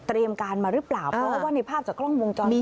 การมาหรือเปล่าเพราะว่าในภาพจากกล้องวงจรปิด